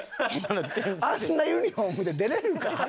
あんなユニホームで出れるんか？